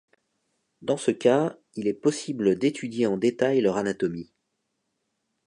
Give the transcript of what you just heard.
Dans ce cas il est possible d'étudier en détail leur anatomie.